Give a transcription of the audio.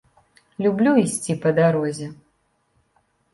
Люблю ісці па дарозе.